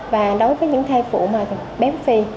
và đối với những thai phụ bém phì